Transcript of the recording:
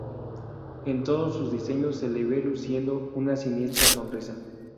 En todos sus diseños se le ve luciendo una siniestra sonrisa.